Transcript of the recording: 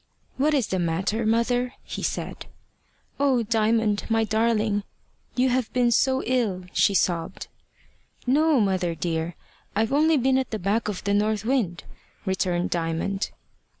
"What is the matter, mother?" he said. "Oh, Diamond, my darling! you have been so ill!" she sobbed. "No, mother dear. I've only been at the back of the north wind," returned Diamond.